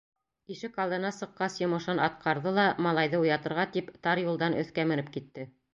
Ишек алдына сыҡҡас йомошон атҡарҙы ла, малайҙы уятырға тип, тар юлдан өҫкә менеп китте.